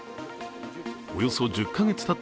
およそ１０か月たった